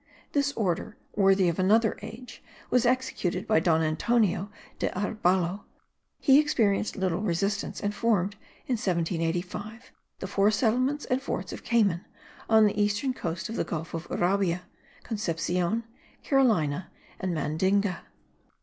This order, worthy of another age, was executed by Don Antonio de Arebalo: he experienced little resistance and formed, in 1785, the four settlements and forts of Cayman on the eastern coast of the Gulf of Urabia, Concepcion, Carolina and Mandinga.